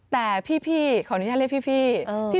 แต่พี่ขออนุญาตเรียกพี่